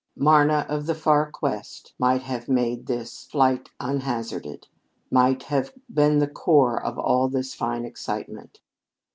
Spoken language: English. "Marna of the far quest" might have made this "flight unhazarded"; might have been the core of all this fine excitement.